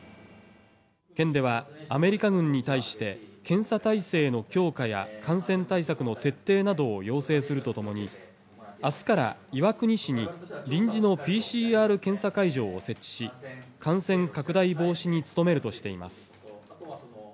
県ではアメリカ軍に対して、検査体制の強化や感染対策の徹底などを要請するとともに、あすから岩国市に、臨時のＰＣＲ検査会場を設置し、感染拡大防止に努めるとしています。